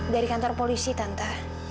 dari kantor polisi tante